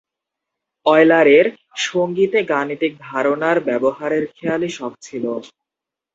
অয়লারের সঙ্গীতে গাণিতিক ধারণার ব্যবহারের খেয়ালী শখ ছিল।